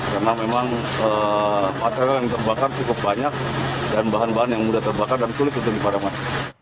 karena memang pasir yang terbakar cukup banyak dan bahan bahan yang mudah terbakar dan sulit untuk dipadamkan